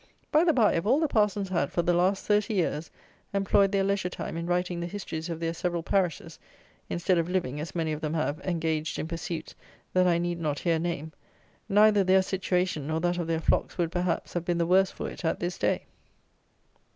By the bye if all the parsons had, for the last thirty years, employed their leisure time in writing the histories of their several parishes, instead of living, as many of them have, engaged in pursuits that I need not here name, neither their situation nor that of their flocks would, perhaps, have been the worse for it at this day.